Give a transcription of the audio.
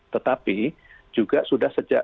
tetapi juga sudah sejak